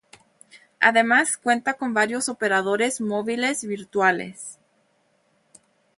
Además cuenta con varios operadores móviles virtuales.